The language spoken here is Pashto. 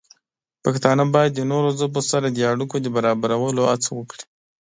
پښتانه باید د نورو ژبو سره د اړیکو د برابرولو هڅه وکړي.